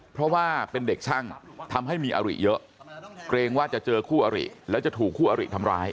เพราะว่าเป็นเด็กช่างทำให้มีอริเยอะเกรงว่าจะเจอคู่อริแล้วจะถูกคู่อริทำร้าย